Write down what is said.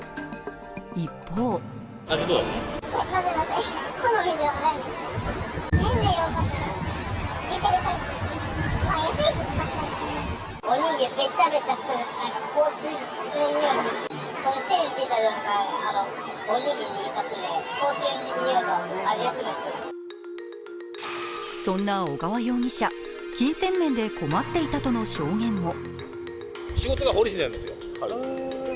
一方そんな小川容疑者、金銭面で困っていたとの証言も。